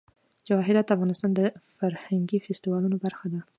جواهرات د افغانستان د فرهنګي فستیوالونو برخه ده.